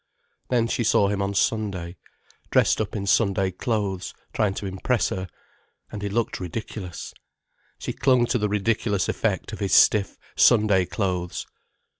Then she saw him on Sunday, dressed up in Sunday clothes, trying to impress her. And he looked ridiculous. She clung to the ridiculous effect of his stiff, Sunday clothes.